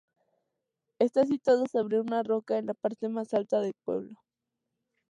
Está situada sobre una roca, en la parte más alta del pueblo.